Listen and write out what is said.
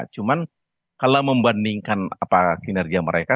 cuman kalau membandingkan kinerja mereka